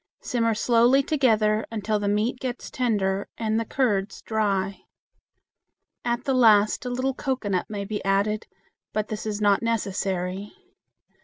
Simmer slowly together until the meat gets tender and the curds dry. At the last a little cocoanut may be added, but this is not necessary.